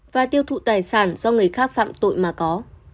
và tiêu thụ tài sản do người khác phạm tội mà có